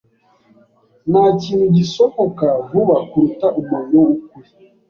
Ntakintu gisohoka vuba kuruta umuriro wukuri.